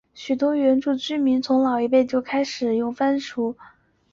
许多原住民群体从老一辈开始就会用绳子翻转出不同的花样。